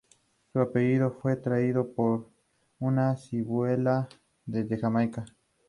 Su apellido fue traído por su bisabuela desde Jamaica.